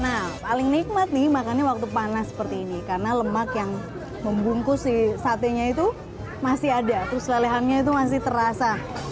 nah paling nikmat nih makannya waktu panas seperti ini karena lemak yang membungkus si satenya itu masih ada terus lelehannya itu masih terasa